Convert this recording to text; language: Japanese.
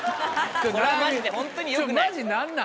マジでホントによくない。